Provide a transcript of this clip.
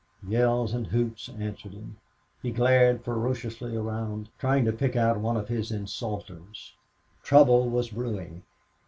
Yells and hoots answered him. He glared ferociously around, trying to pick out one of his insulters. Trouble was brewing.